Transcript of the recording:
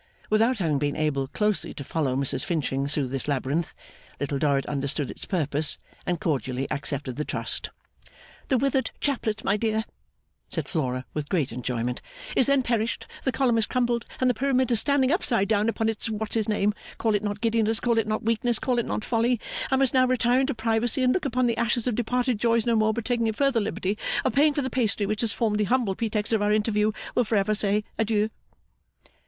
Without having been able closely to follow Mrs Finching through this labyrinth, Little Dorrit understood its purpose, and cordially accepted the trust. 'The withered chaplet my dear,' said Flora, with great enjoyment, 'is then perished the column is crumbled and the pyramid is standing upside down upon its what's his name call it not giddiness call it not weakness call it not folly I must now retire into privacy and look upon the ashes of departed joys no more but taking a further liberty of paying for the pastry which has formed the humble pretext of our interview will for ever say Adieu!